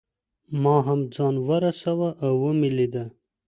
ما هم ځان ورساوه او مې لیده.